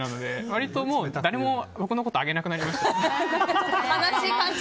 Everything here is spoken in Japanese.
割と誰も僕のこと上げなくなりました。